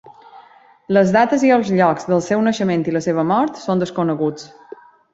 Les dates i els llocs del seu naixement i la seva mort són desconeguts.